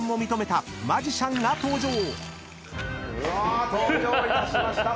うわ登場いたしました。